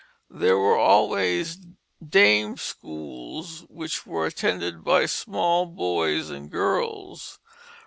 There were always dame schools, which were attended by small boys and girls.